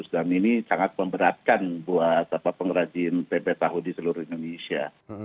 dan ini sangat memberatkan buat pengrajin tempe tahu di seluruh indonesia